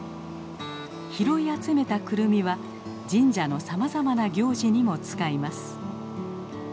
拾い集めたクルミは神社のさまざまな行事にも使います。